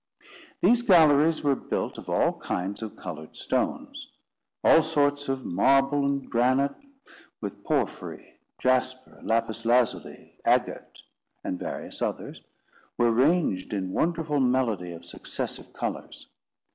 These galleries were built of all kinds of coloured stones; all sorts of marble and granite, with porphyry, jasper, lapis lazuli, agate, and various others, were ranged in wonderful melody of successive colours.